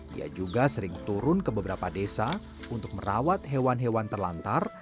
dia juga sering turun ke beberapa desa untuk merawat hewan hewan terlantar